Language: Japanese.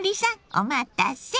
お待たせ！